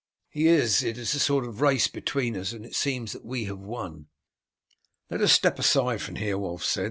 "He is. It is a sort of race between us, and it seems that we have won." "Let us step aside from here," Wulf said.